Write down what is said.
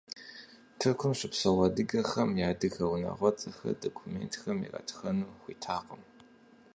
Тыркум щыпсэу адыгэхэм я адыгэ унагъуэцӀэхэр документхэм иратхэну хуитакъым.